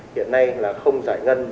hiện nay là không giải ngân